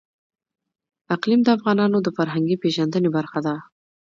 اقلیم د افغانانو د فرهنګي پیژندنې برخه ده.